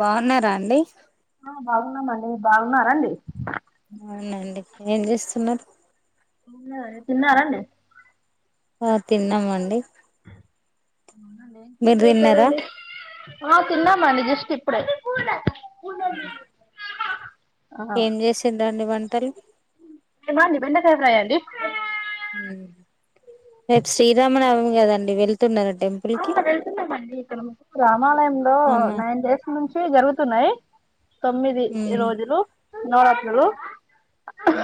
బాగున్నారా అండి ఆ బాగున్నామండి బాగున్నారండి అవునండి ఏం చేస్తున్నారు తిన్నారండి ఆ తిన్నామండి అవుండిం మీరు ళీ తిన్నారా అయిపోరండి ఆ తిన్నామండి జస్ట్ ఇప్పుడ పండడి ఆ ఏం చేసిండ్రండి వంటలు మడి బండకాయ ఫ్రై అండి రేపు శ్రీరామనవమీ కదండి వెళ్తున్నార మ వెళ్తున్నామండి ఇక్కడ ము రామాలయంలో అమ్మా నైన్ డేస్ నుంచి జరుగుతున్నాయి తొమ్మిది ఉమ్ రోజులు నవరాత్రులు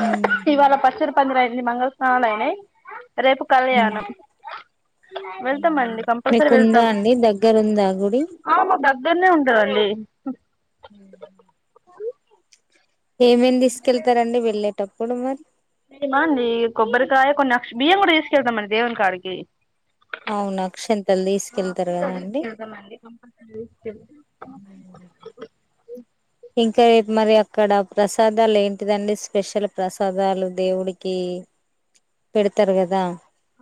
ఉమ్ ఇవాళ పచ్చర పందిర అయింది మంగళ స్నానాలు అయినాయి రేపు ఉమ్ కళ్యాణం వెళ్తామండి కంపల్సరీ మీకుందా వెళ్తాం అండి దగ్గరుందా గుడి మా దగ్గరనే ఉంటందండి అ ఏమేమి తీసుకెళ్తారండి వెళ్ళేటప్పుడు మరి మండి కొబ్బరికాయ కొన్ని అక్ష బియ్యం కూడా తీసుకెళ్తాంమండి దేవునీ కాడికి అవును అక్షంతలు తీసుకెళ్తారు కదా అండి తీసుకెళ్దామండి కంపల్సరీ [inaudible] ఇంకా రేపు మరి అక్కడ ప్రసాదాలు ఏంటిదండి స్పెషల్ ప్రసాదాలు దేవుడికి పెడతారు కదా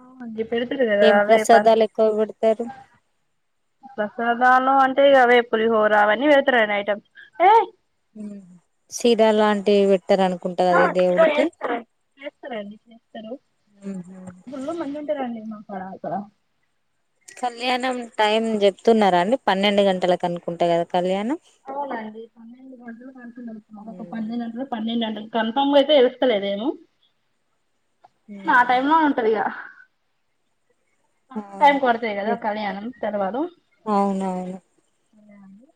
అవునండి పెడతారు కదా ఏం అవే ప్రసాదాలు ఎక్కువ పెడతారు ప్రసాదలు అంటే ఇక అవే పూలిహోర ఇంకా అవన్నీ పెడతారు ఐటమ్స్ ఏ శీరా లాంటివి పెట్టారు అనుకుంటా కద ఈ దేవుడికి చేస్తారండి చేస్తారు మ్మ్ హ్మ్ ఫుల్లు మంది [unintelligible] కళ్యాణం టైమ్ చెప్తున్నారా అండి పన్నెండు గంటలకి అనుకుంటా కదా కళ్యాణం అవునా అండి పన్నెండు గంటలు కంటకుండు మ ఒక పన్నెడుంటలు పన్నెండు కన్ఫామ్ అయితే తెలుస్తలేదేమో ఆ టైమ్ లో ఉంటది ఇక మా టైమ్ అవును కొడతువి కదా కళ్యాణం తర్వాలు అవునవును అవునా అండి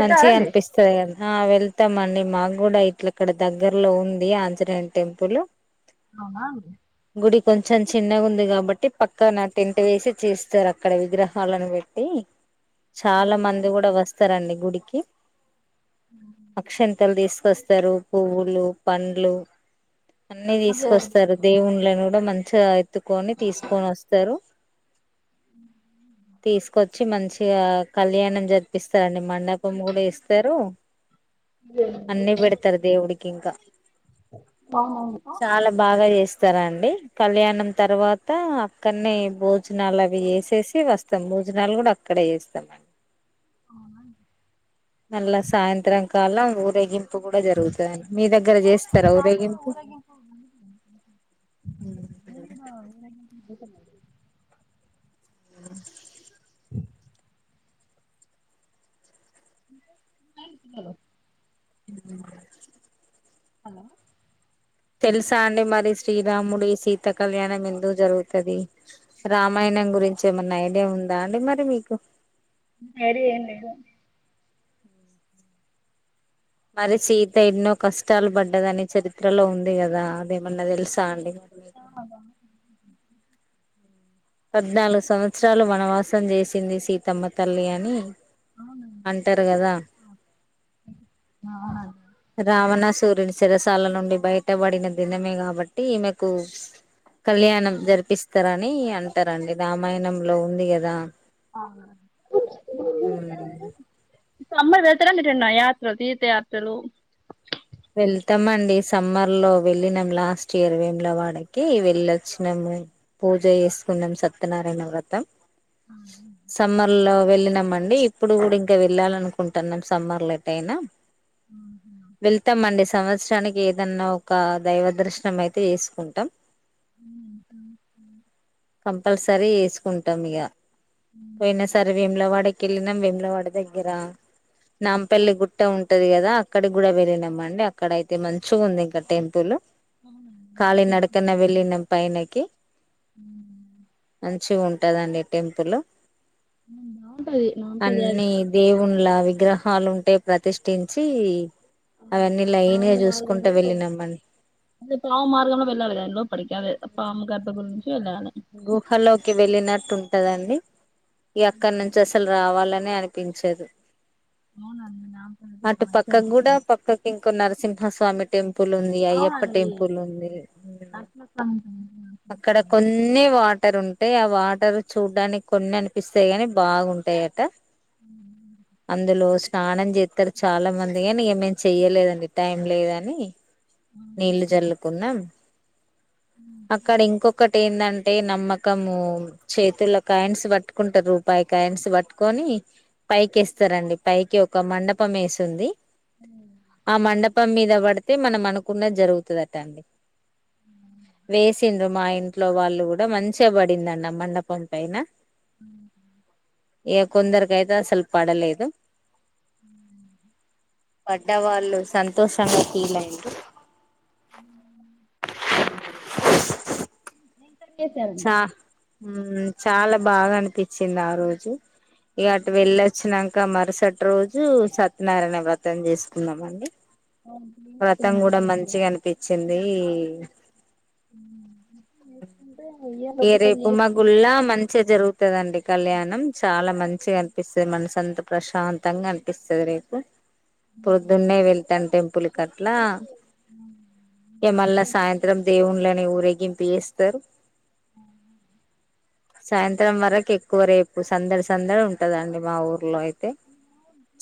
మంచిగా అనిపిస్తది అం ఆ వెళ్తామ అండి మాకు కూడా ఇట్లాక్కడ దగ్గర్లో ఉంది ఆంజనేయుని టెంపుల్ అవునా అండి గుడి కొంచెం చిన్నగా ఉంది కాబట్టి పక్కనా టెంట్ వేసి చేస్తారు అక్కడ విగ్రహాలను పెట్టి చాలా మంది కూడా వస్తారండి గుడికి అక్షంతలు తీస్ కొస్తరు పువులు పండ్లు అన్ని తీసుకొస్తరు దేవుని వాళని కూడా మంచిగా ఎత్తుకొని తీసుకొని వస్తారు తీసుకొచ్చి మంచిగా కళ్యాణం జరిపిస్తారండి మండప్ కును కూడా ఇస్తారు అన్ని పెడతారు దేవుడికి ఇంకా చాలా బాగా చేస్ స్తారా అండి కళ్యాణం తర్వాత అక్కడనే భోజనాలు అవి చేసేసి వస్తాము భోజనాలు కూడా అక్కడే చేస్తామండి అవునా అండీ నల్ల సాయంత్రంకల ఊరగింప్ ప్పు కూడా జరుగుతదండి మీ దగ్గర చేస్తార ఊరేగింపు మేం కూడా ఊరేగింపు జరుపు [unintelligible] డాడీ గిన్నె లో ఆ హలో తెలుసా అండి మరి శ్రీరాముడి శీత కళ్యాణం ఎందుకు జరుగుతది రామాయణ ణం గురించి ఏమన్నా ఐడియా ఉందా అండి మరి మీకు ఏది ఏం లేదు మరి సీత ఎన్నో కష్టాలు పడ్డదని చరిత్రలో ఉంది కదా అదే ఏమన్న తెలుసా అండీ వాళ్లకు పద్నాలుగు సంవత్సరాలు వనవాసం చేసింది సీతమ్మ తల్లి అని అవునండి అంటారు కదా అ ఆ అది అవునండి రావణసురుని సిరసాల నుండి బయట పడిన దినమే కాబట్టి ఈమెకు కళ్యాణం జరిపిస్తారని అంటారండి రామాయణంలో ఉంది కదా ఆవునండీ ఊ ఈ సమ్మర్ వెడతారండి ఎటన్న యాత్రలు తీర్థ యాత్రలు వెళ్తామండి సమ్మర్ లో వెళ్ళినాం లాస్ట్ ఇయర్ వేమలవాడకి వెళ్ళొచ్చినాం పూజ చేసుకున్నాం సత్యనారాయణ వ్రతం సమ్మర్ లో వెళ్ళనమండి ఇప్పుడు కూడా ఇంకా వెళ్ళాలనుకుంటున్నాం సమ్మర్లా ఎట్ అయినా ఊహు మండి సంవత్సరానికి ఏదన్నా ఒక దైవ దర్శనం అయితే చేసుకుంటాం ఊహు హు కంపల్సరీ వేసుకుంటాం ఇక పోయిన సరే వెములవాడ కి కిళ్ళినాం వెములవాడ దగ్గర నాంపల్లి గుట్ట ఉంటది కదా అక్కడికి కూడా వెళ్ళినాం మండి అక్కడ అయితే మంచిగుంది ఇంకా టెంపుల్ కాలీ నడకన వెళ్ళినం పయనకి మంచి ఉంటదండి టెంపుల్ బాగుంటది నాంపల్లి అది అన్నీ దేవున్ లావి గ్రహాలు ఉంటే ప్రతిష్ఠించి ఆమ్ అవన్నీ లైన్ గా పాము చూసుకుంటూ మార్గంలో వెళ్ళినామండి అంటే పావు మార్గంలో వెళ్ళాలి కదా లో ఇపడికదే పామ్ గర్భగుడి వెళ్ళాలి గుహలోకి వెళ్ళినట్టు ఉంటదండి ఇగ అక్కడ నుంచి అసలు రావాలని నే అనిపించదు అవునా [unintelligible] తరపున మంచి అనిపిస్తలేదు సింహస్వామి టెం పుల్ ఉంది అయ్యప్ప టెంపుల్ ఉంది అక్కడ ఆ కొం టే వాటర్ ఉంటే ఆ వాటర్ చూడ్డానికి కొన్ని అనిపిస్తాయి గాని బాగుంటాయట. అందులో స్ తానం చేత్తరు చాలా మంది గానీ ఏం మేము చెయ్యలేదండి టైం లేదని. నీళ్ళు జల్లుకున్నం అక్కడ ఇంకొక ఏంటంటే నమ్మకము చేతుల్లో కాయన్స్ పట్టుకుంటర్ రూపాయి కాయిన్స్ పట్టుకొనీ పైకేస్తరండి పైకి ఒక మండపం ఏసుంది. మ్ ప్పం మీద పడితే మనం అనుకున్నది జరుగుతుదట అండి వేసిండ్రు మా ఇం ట్లో వాళ్ళు గూడ మంచిగా పడిందండి మండపం పైన. మ్ హ్ కొందరికయితే అసలు పడలేదు. మ్ హ్ మ్ పడ్డవాళ్ళు సంతోషంగా ఫీల్ అయిండ్రు. [inaudible] [unintelligible] సారండి చా మ్మ్ చాల బాగ అనిపించింది ఆ రోజు. ఇగ అటు వెళ్ళొచ్చినంక మరుసటి రోజు సత్యనారాయణ వ్రతం చేసుకున్నమండి. వ్రతం కూడ మంచిగా అనిపించిందీ మ్మ్ వ్రతం చేసుకుంటే ఇగ రేపు మా గుడ్లా మంచిగా జరుగుతదండి. కళ్యాణం చాల మంచిగా అనిపిస్తది మనసు అంత ప్రశాంతంగా అనిపిస్తది రేపు. పొద్దున్నే వెళ్తం టెంపుల్ కట్లా ఇగ మళ్ల సాయంత్రం దేవుండ్లని ఊరేగింపు చేస్తరు. సాయంత్రం వరకు ఎక్కువ రేపు సందడి సందడి ఉంటదండి మా ఊర్లో అయి తే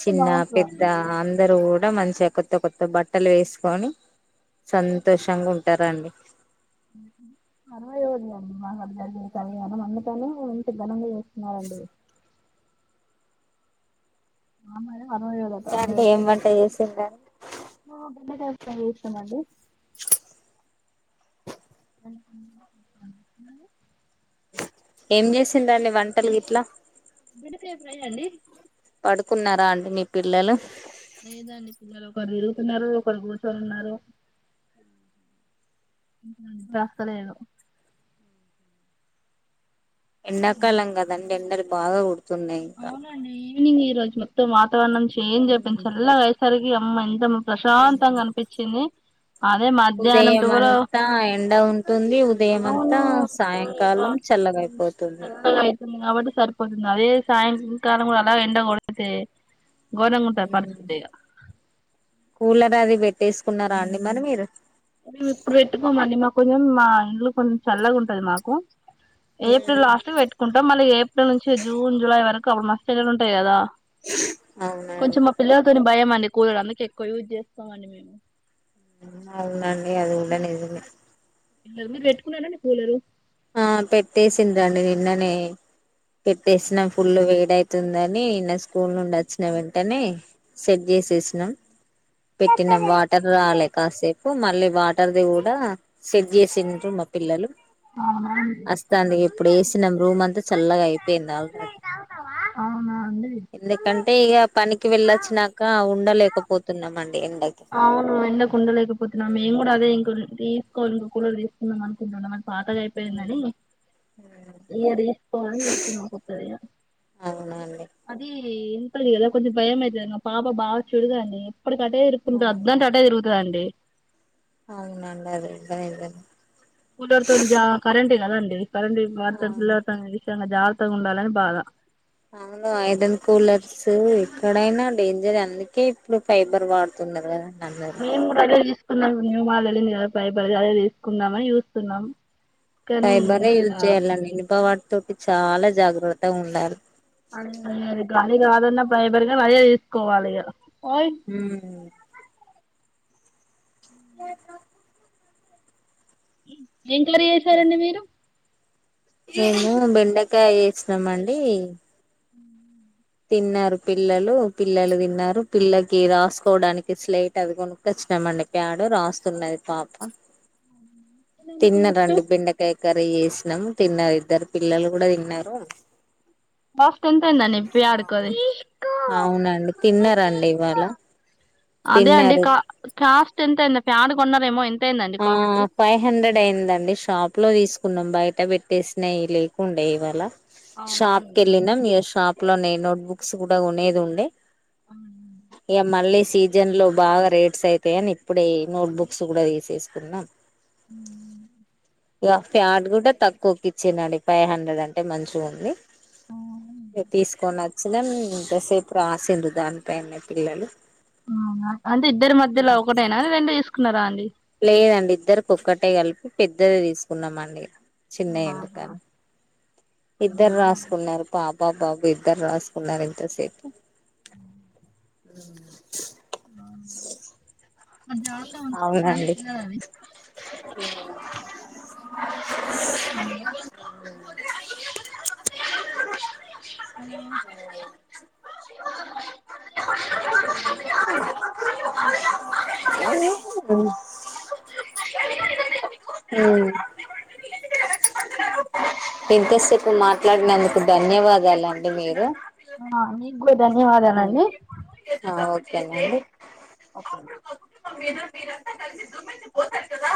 చిన్న పెద్ద బాగుంటదండి అందరు కూడ మంచిగా కొత్త కొత్త బట్టలు వేసుకొని సంతోషంగా ఉంటరండి. మ్ హు [unintelligible] అందుకనీ ఇంత ఘనంగా చే స్తున్నారండి ఇంకా అంటే ఏం వంట చేసిండ్రని [unintelligible] ట్రై చేస్తమండి [inaudible] [inaudible] ఏం చేసిండండి వంటలు గిట్లా బెండకాయ ఫ్రై అండి పడుకున్నారా అండి మీ పిల్లలు లేదండి పిల్లలు ఒకరు తిరుగుతున్నరు, ఒకరు కూర్చోని ఉన్నరు. బస్త లేదు అలా ఎండాకాలం కదండి ఎండలు బాగా కొడుతున్నయి ఇంకా. ఈనింగ్ ఈరోజు మొత్తం వాతావరణం చేంజ్ అయిపోయింది, చల్లగా అయ్యేసరికి అమ్మ ఎంత ప్రశాంతంగా అనిపించింది. అదే మధ్యాహ్నం టువెల్వ్ ఉదయమంతా ఎండ ఉంటుంది ఉదయంమంతా సాయంకాలం చల్లగై పోతుంది [unintelligible] కాబట్టి సరిపోతుంది అదే సాయంకాలం అలా ఎండ కొడితే? ఘోరంగా ఉంటది మ్ పరిస్థితి ఇగ కూలర్ అది పెట్టేసుకున్నారా అండి మరి మీరు. మేము ఇప్పుడు పెట్టుకోమండి మాకు కొంచెం మా ఇండ్లు కొంచెం చల్లగా ఉంటది మాకు. ఏప్రిల్ లాస్ట్ కు పెట్టుకుంటం మళ్ళీ ఏప్రిల్ నుంచి జూన్, జులై వరకు అప్పుడు మస్తు ఎండలు ఉంటయి కదా. కొంచెం అవునండి మా పిల్లలతోని భయం అండి కూలర్ అందుకే ఎక్కువ యూజ్ చేసుకోమండి మేము. అవునండి అది కూడ నిజమే ఆ పిల్లరు మీరు పెట్టుకున్నరండి కూలరు ఆ పెట్టేసింది అండి నిన్ననే పెట్టేసిన ఫుల్లు వేడై వస్తుందని నా స్కూల్ నుండి వచ్చిన వెంటనే సెట్ చేసేసినాం పెట్టిన వాటర్ రాలే కాసేపు మళ్ళీ వాటర్ ది కూడా సెట్ చేసిర్రు మా పిల్లలు అస్తంది ఇగ ఇప్పుడు వేసినాం రూమ్ అంతా చల్లగా అయిపోయింది ఆల్రెడీ అవునా అండి అంటే ఇక పనికి వెళ్ళొచ్చాక ఉండలేకపోతున్నాంమండి ఎండకి అవును ఎండకు ఉండలేకపోతున్నాం మేము కూడా అదే ఇంకో తీసుకోవాలి ఇంకో కూలర్ తీసుకుందాం అనుకుంటున్నాం పాతది అయిపోయిందని ఈ ఇయర్ తీసుకోవాలి అని చూస్తున్నాం కొత్తది ఇగ అవునా అండి ఈ ఇనుపది కదా కొంచెం భయం అయితది న మా పాప బాగా చడుద అండి ఎప్పటికట్టే కుంద అద్దంటే అటే తిరుగుతాదండి [unintelligible] సందీప్ వాటర్ అవును పిల్లర్ పైన ఇష్టంగా జాగ్రత్తగా ఉండాలని బాధ అవును ఐరన్ కూలర్స్ ఎక్కడైనా డేంజర్ అందుకే ఇప్పుడు ఫైబర్ వాడుతు ఉన్నది కదా మేము కూడా అదే తీసుకున్నాం న్యూ మాడల్ వెళింది కదా పై పడి అదే తీసుకుందామని చూస్తున్నాం కానీ ఫైబర్ ఏ ఇక యూజ్ చేయాలండి ఇనుప వాటితో చాలా జాగ్రత్త ఉండాలి అదే అ అది గాలి కాదన్నా ఫైబర్ గా అదే తీసుకోవాలి ఇక హ [unintelligible] ఏం కర్రీ చేసారండి మీరు మేము బెండకాయ ఏసినమండి [inaudible] తిన్నారు పిల్లలు పిల్లలు తిన్నారు పిల్లకి రాసుకోవడానికి స్లైట్ అవి కొనుక్కొచ్చా ఇష్టమండి ప్యాడు రాస్తున్నది పాప [inaudible] తిన్నరండి బెండకాయ కర్రీ ఏసి తన్నాము తిన్నారు ఇద్దరు పిల్లలు కూడా తిన్నారు ఫాస్ట్ ఎంత అయిందండి ప్యాడ్ కు అది అవునండి తిన్నారండి ఇవ్వాలా అదే అండి కా కాస్ట్ ఎంత అయింది ప్యాడ్ కొన్నారేమో ఎంత అయిందండి ఆ కాస్ట్ ఫైవ్ హండ్రెడ్ అయిందండి షాప్ ప్పు లో తీసుకున్నాం బయట పెట్టేసినాయి లేకుండే ఇవాళ షాప్ కెళ్ళినం మీ షాప్ లోనే నోట్ బుక్స్ కూడా కొనేది ఉండే ఇగ మళ్ళీ సీజన్ లో బాగా రేట్స్ అయితాయని ఇప్పుడే నోట్బుక్స్ కూడా తీసేసుకున్నాం [inaudible] ఇగ ఫ్యాడ్ కూడా తక్కువకి ఇచ్చినడు ఫైవ్ హండ్రెడ్ అంటే మంచిగా ఉంది ఇక తీసుకొని వచ్చినం ఇంతసేపు రాసిరు దానిపైనే పిల్లలు అవునా అంటే ఇద్దరి మధ్యలో ఒకటేనా రెండు తీసుకున్నారా అండి లేదండి ఇద్దరికి ఒక్కటే కలిపి పెద్దది తీసుకున్నామండి చిన్నయి ఆహా ఎందుకని ఇద్దరు అవునా, రాసుకున్నారు పాప బాబు ఇద్దరు రాసుకున్నారు ఇంతసేపు [inaudible] మరి జాగ్రత్తగా ఉంచుకుంటారండి అవునండి పిల్లలు అది [inaudible] హలో [unintelligible] హలో [inaudible] [unintelligible] హలో ఉమ్ ఇంతసేపు మాట్లాడినందుకు ధన్యవాదాలండి మీరు ఆ మీకు ధన్యవాదలండీ ఏంది ఓకేనా మీరు మీరంతా కలిసి దుమ్మెత్తి పోషారు కదా